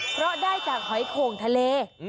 เพราะได้จากหอยโข่งทะเล